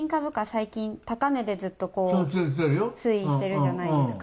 最近、高値でずっと推移してるじゃないですか。